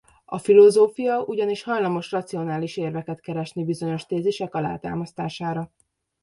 A filozófia ugyanis hajlamos racionális érveket keresni bizonyos tézisek alátámasztására.